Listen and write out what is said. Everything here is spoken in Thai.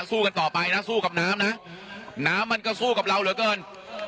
สู้กันต่อไปนะสู้กับน้ำนะน้ำมันก็สู้กับเราเหลือเกิน